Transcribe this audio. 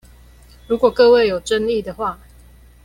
如果各位有爭議的話